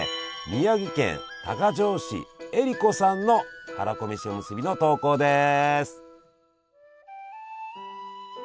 宮城県多賀城市えりこさんのはらこめしおむすびの投稿です。